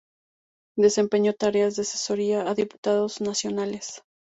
Desempeñó tareas de asesoría a diputados nacionales.